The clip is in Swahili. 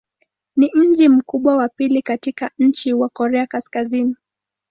Ni mji mkubwa wa pili katika nchi wa Korea Kaskazini.